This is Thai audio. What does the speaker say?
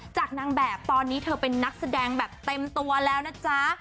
จากนางแบบตอนนี้เธอเป็นนักแสดงแบบเต็มตัวแล้วนะจ๊ะ